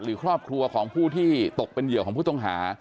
หรือครอบครัวของผู้ที่ตกเป็นเหยื่อของผู้ต้องหา